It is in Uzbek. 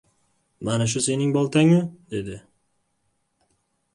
– Mana shu sening boltangmi? – dedi.